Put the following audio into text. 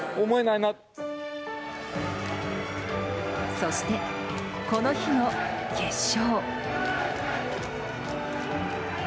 そして、この日の決勝。